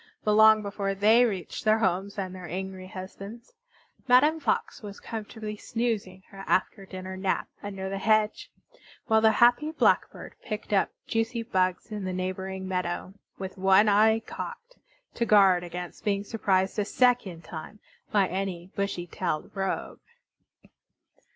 But long before they reached their homes and their angry husbands Madame Fox was comfortably snoozing her after dinner nap under the hedge; while the happy Blackbird picked up juicy bugs in the neighboring meadow, with one eye cocked to guard against being surprised a second time by any bushy tailed rogue.